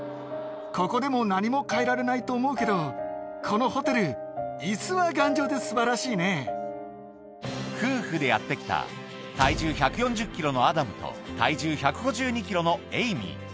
ここでも何も変えられないと思うけど、このホテル、いすは頑丈で夫婦でやって来た体重１４０キロのアダムと、体重１５２キロのエイミー。